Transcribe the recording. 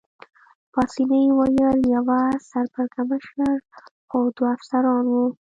پاسیني وویل: یوه سر پړکمشر مشر خو دوه افسران وو.